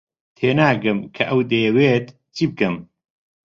تێناگەم کە ئەو دەیەوێت چی بکەم.